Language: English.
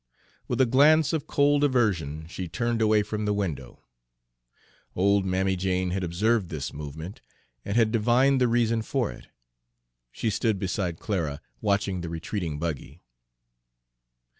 With a glance of cold aversion she turned away from the window. Old Mammy Jane had observed this movement, and had divined the reason for it. She stood beside Clara, watching the retreating buggy.